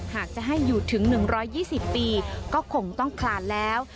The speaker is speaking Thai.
หากจะให้อยู่ถึง๑๒๐ปีก็คงต้องคลานแล้ว